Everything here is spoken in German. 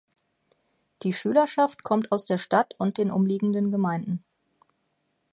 Die Schülerschaft kommt aus der Stadt und den umliegenden Gemeinden.